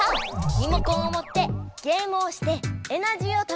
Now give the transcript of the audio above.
リモコンをもってゲームをしてエナジーをためよう。